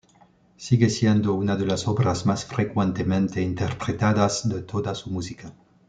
Sigue siendo una de las obras más frecuentemente interpretadas de toda su música.